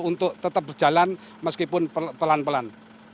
untuk tetap berjalan meskipun pelan pelan